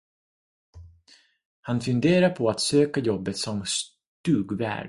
Han funderar på att söka jobbet som stugvärd.